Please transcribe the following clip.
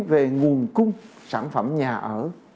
về nguồn cung sản phẩm nhà ở